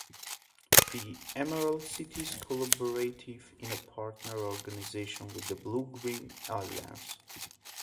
The Emerald Cities Collaborative is a partner organization with the Blue-green alliance.